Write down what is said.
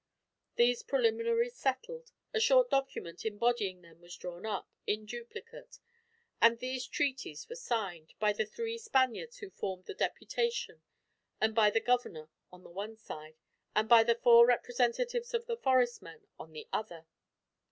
These preliminaries settled, a short document embodying them was drawn up, in duplicate, and these treaties were signed, by the three Spaniards who formed the deputation and by the governor on the one side, and by the four representatives of the forest men on the other.